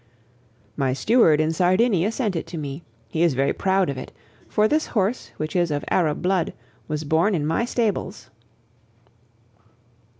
"My steward in Sardinia sent it to me. He is very proud of it; for this horse, which is of Arab blood, was born in my stables."